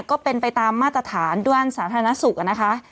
ก็เป็นไปตามมาตรฐานด้านสาธารณสุขนะคะ